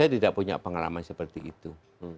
saya tidak punya pengalaman seperti itu